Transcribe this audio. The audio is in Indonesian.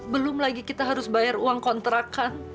belum lagi kita harus bayar uang kontrakan